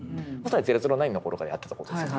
「００９」の頃からやってた事ですよね。